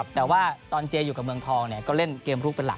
แต่ว่าตอนเจอยู่กับเมืองทองก็เล่นเกมลุกเป็นหลัก